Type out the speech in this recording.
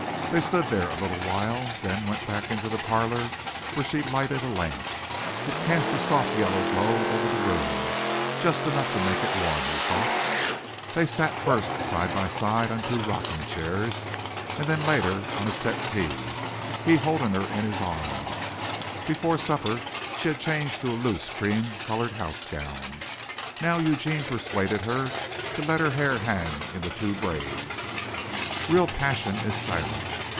They stood there a little while, then went back into the parlor where she lighted a lamp. It cast a soft yellow glow over the room, just enough to make it warm, he thought. They sat first side by side on two rocking chairs and then later on a settee, he holding her in his arms. Before supper she had changed to a loose cream colored house gown. Now Eugene persuaded her to let her hair hang in the two braids. Real passion is silent.